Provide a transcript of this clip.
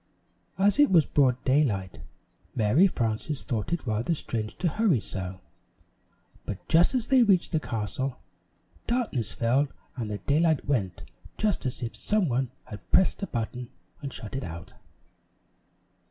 As it was broad daylight, Mary Frances thought it rather strange to hurry so, but just as they reached the castle, darkness fell and the daylight went just as if some one had pressed a button and shut it out.